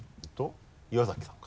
岩崎さんか。